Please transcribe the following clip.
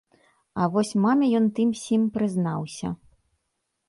А вось маме ён тым-сім прызнаўся.